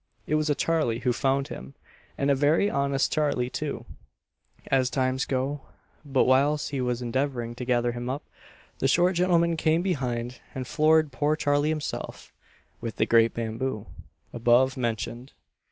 It was a charley who found him, and a very honest charley too, as times go; but whilst he was endeavouring to gather him up, the short gentleman came behind and floored poor charley himself, with the great bamboo, above mentioned.